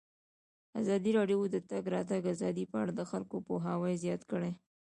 ازادي راډیو د د تګ راتګ ازادي په اړه د خلکو پوهاوی زیات کړی.